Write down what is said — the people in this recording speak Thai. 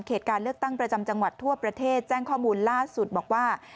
การเลือกตั้งประจำจังหวัดทั่วประเทศแจ้งข้อมูลล่าสุดบอกว่า